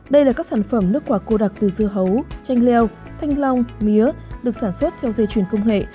đây là các sản phẩm nước quả cô đặc từ dưa hấu chanh leo thanh long mía được sản xuất theo dây chuyền công nghệ